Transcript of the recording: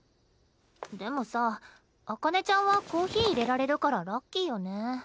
でもさ紅葉ちゃんはコーヒーいれられるからラッキーよね。